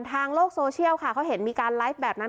ทางโลกโซเชียลค่ะเขาเห็นมีการไลฟ์แบบนั้น